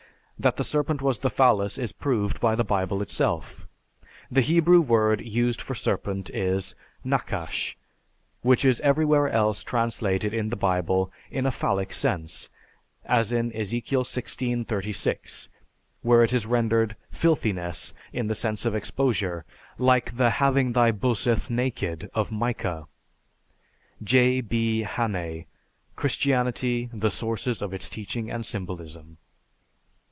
"That the serpent was the phallus is proved by the Bible itself. The Hebrew word used for serpent is 'Nachash,' which is everywhere else translated in the Bible in a phallic sense, as in Ezekiel XVI, 36, where it is rendered 'filthiness' in the sense of exposure, like the 'having thy Boseth naked' of Micah." (_J. B. Hannay, "Christianity, the Sources of its Teaching and Symbolism."